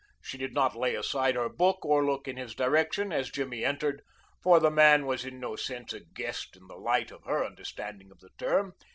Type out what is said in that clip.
She did not lay aside her book or look in his direction as Jimmy entered, for the man was in no sense a guest in the light of her understanding of the term.